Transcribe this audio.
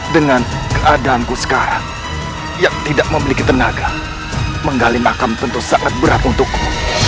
dengan keadaanku sekarang yang tidak memiliki tenaga menggali makam tentu sangat berat untukku